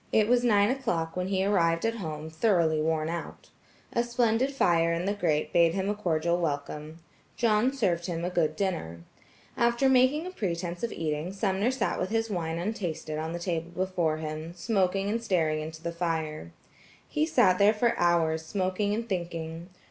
It was nine o'clock when he arrived at home thoroughly worn out. A splendid fire in the grate bade him a cordial welcome. John served him a good dinner. After making a pretense of eating, Sumner sat with his wine untasted on the table before him, smoking and staring into the fire. He sat there for hours smoking and thinking.